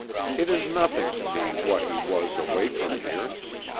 It is nothing to me what he was away from here.